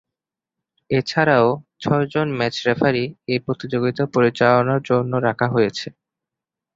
এছাড়াও, ছয়জন match referee এ প্রতিযোগিতা পরিচালনার জন্যে রাখা হয়েছে।